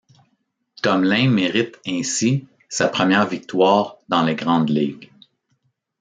Tomlin mérite ainsi sa première victoire dans les grandes ligues.